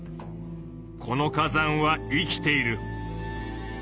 この火山は生きている。